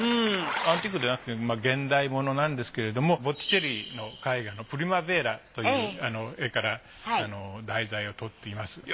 アンティークではなくて現代ものなんですけれどもボッティチェリの絵画の『プリマヴェーラ』という絵から題材をとっています。